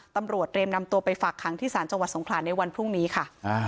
ตำรวจเตรียมนำตัวไปฝากขังที่ศาลจังหวัดสงขลาในวันพรุ่งนี้ค่ะ